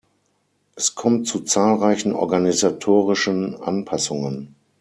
Es kommt zu zahlreichen organisatorischen Anpassungen.